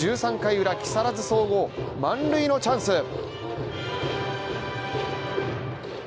１３回ウラ、木更津総合、満塁のチャンス。